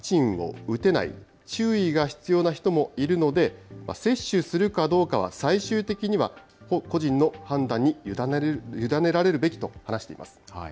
ただ、ワクチンを打てない、注意が必要な人もいるので、接種するかどうかは最終的には個人の判断に委ねられるべきと話しています。